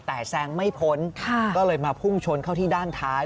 แต่แซงไม่พ้นก็เลยมาพุ่งชนเข้าที่ด้านท้าย